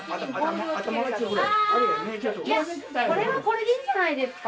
あいやこれはこれでいいんじゃないですか。